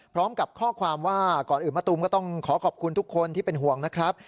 พร้อมกับข้อความว่าก่อนอื่นมะตูมก็ต้องขอขอบคุณทุกคนที่เป็นห่วงนะครับ